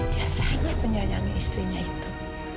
dia sangat menyayangi istrinya itu